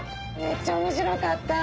めっちゃ面白かった。